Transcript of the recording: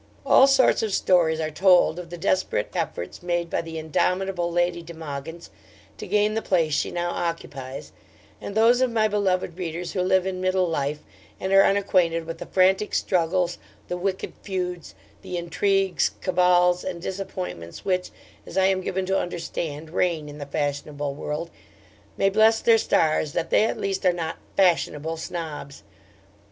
All sorts of stories are told of the desperate efforts made by the indomitable Lady de Mogyns to gain the place she now occupies, and those of my beloved readers who live in middle life, and are unacquainted with the frantic struggles, the wicked feuds, the intrigues, cabals, and disappointments which, as I am given to understand, reign in the fashionable world, may bless their stars that they at least are not FASHIONABLE Snobs.